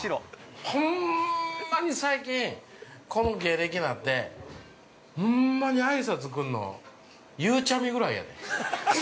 ほんまに最近、この経歴になってほんまに挨拶来るの、ゆうちゃみぐらいやで。